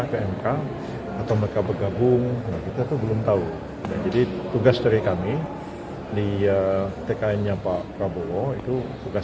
pmk atau mereka bergabung kita tuh belum tahu jadi tugas dari kami dia tkn nya pak prabowo itu tugas